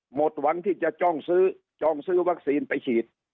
หมดหวังที่จะจ้องซื้อจองซื้อวัคซีนไปฉีด